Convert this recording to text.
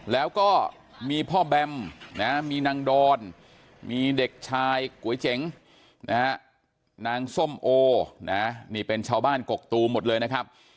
แล้วก็มีพ่อแบมมีนางดอนมีเด็กชายก๋วยเจ๋งนะฮะนางส้มโอนะนี่เป็นชาวบ้านกกตูมหมดเลยนะครับ